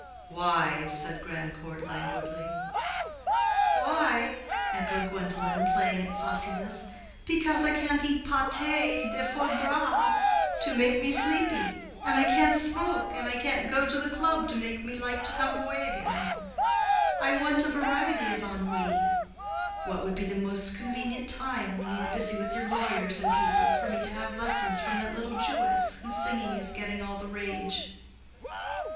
"Why?" said Grandcourt, languidly. "Why?" echoed Gwendolen, playing at sauciness; "because I can't eat pâté de foie gras to make me sleepy, and I can't smoke, and I can't go to the club to make me like to come away again—I want a variety of ennui. What would be the most convenient time, when you are busy with your lawyers and people, for me to have lessons from that little Jewess, whose singing is getting all the rage."